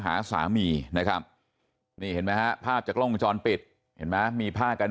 หาสามีนะครับนี่เห็นไหมฮะภาพจากกล้องวงจรปิดเห็นไหมมีผ้ากัน